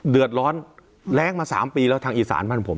เดือดร้อนแรงมา๓ปีแล้วทางอีสานบ้านผม